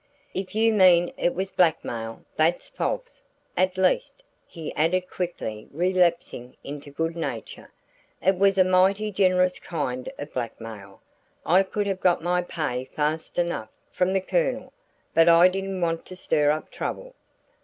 "If you mean it was blackmail that's false! At least," he added, quickly relapsing into good nature, "it was a mighty generous kind of blackmail. I could have got my pay fast enough from the Colonel but I didn't want to stir up trouble.